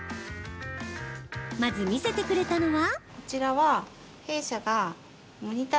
まず見せてくれたのは。